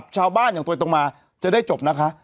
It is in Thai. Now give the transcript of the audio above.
ชาวบ้านอย่างไปตรงมาจะได้จบนะคะ